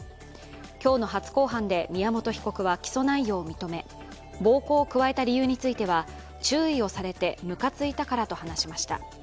今日の初公判で宮本被告は起訴内容を認め暴行を加えた理由については注意をされてムカついたからと話しました。